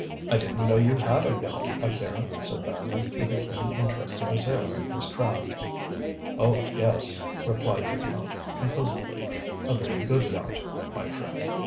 "I didn't know you had a yacht, Akira," said Basil, with the keen interest of a sailor in his craft. "Oh, yes," replied the Count, composedly; "a very good yacht, my friend.